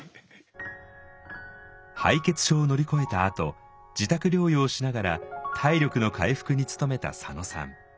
敗血症を乗り越えたあと自宅療養をしながら体力の回復に努めた佐野さん。